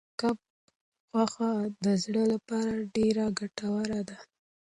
کب غوښه د زړه لپاره ډېره ګټوره ده.